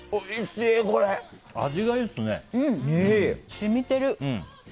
染みてる。